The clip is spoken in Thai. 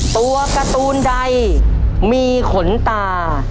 ตัวการ์ตูนใดมีขนตา